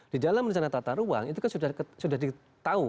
di dalam rencana tata ruang itu kan sudah ditahu